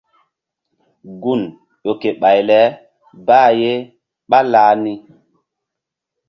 Gun ƴo ke ɓay le bah ye ɓálah ni.